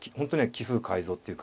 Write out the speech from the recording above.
棋風改造っていうか。